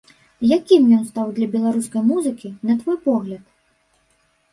Якім ён стаў для беларускай музыкі, на твой погляд?